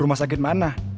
rumah sakit mana